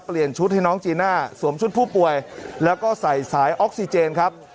ชุดให้น้องจีน่าสวมชุดผู้ป่วยแล้วก็ใส่สายออกซิเจนครับ